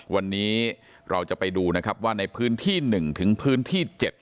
วันนี้เราจะไปดูนะครับว่าในพื้นที่๑ถึงพื้นที่๗